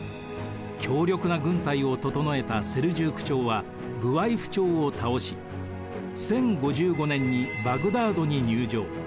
強力な軍隊を整えたセルジューク朝はブワイフ朝を倒し１０５５年にバグダードに入場。